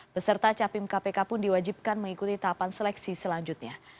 peserta capim kpk pun diwajibkan mengikuti tahapan seleksi selanjutnya